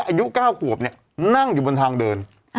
อายุ๙ขวบเนี่ยนั่งอยู่บนทางเดิน